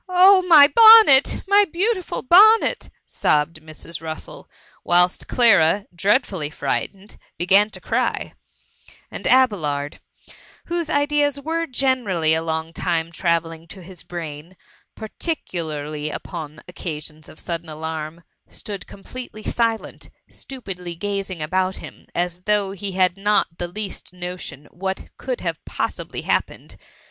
282 THE MUMMY. ^^ Ob) my bonnet ! my beautiful bonnet V sobbed Mrs. Bussel; whilst Clara, dreadfully frightened, began to cry ; and Abelard, whose ideas were generally a long time travelling to his brain, particularly upoa occasions of sudden alarm, stood completely silent, stupidly gazing about him, as though he had not the least notion what could possibly have « happened.